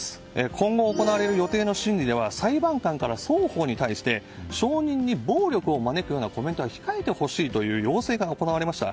今後行われる予定の審理では裁判官から双方に対して証人に暴力を招くようなコメントは控えてほしいというような要請が行われました。